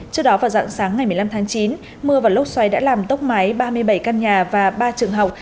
trước đó vào dặng sáng ngày một mươi năm tháng chín mưa và lốt xoáy đã làm tốc mái ba mươi bảy căn nhà và ba trường học